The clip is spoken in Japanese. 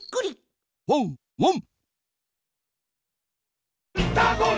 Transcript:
ワンワン！